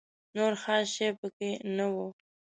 نور خاص شی په کې نه و.